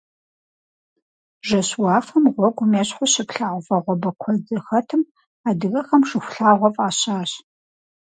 Жэщ уафэм гъуэгум ещхьу щыплъагъу вагъуэбэ куэд зэхэтым адыгэхэм Шыхулъагъуэ фӀащащ.